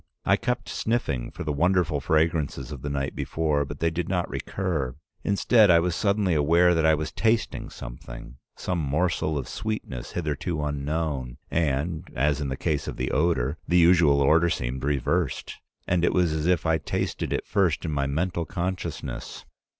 I kept sniffing for the wonderful fragrances of the night before, but they did not recur. Instead, I was suddenly aware that I was tasting something, some morsel of sweetness hitherto unknown, and, as in the case of the odor, the usual order seemed reversed, and it was as if I tasted it first in my mental consciousness.